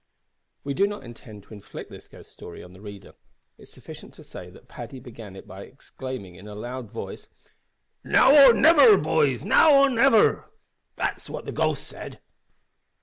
We do not intend to inflict that ghost story on the reader. It is sufficient to say that Paddy began it by exclaiming in a loud voice "`Now or niver, boys now or niver.' That's what the ghost said."